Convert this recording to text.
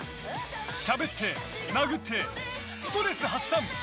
しゃべって、殴ってストレス発散。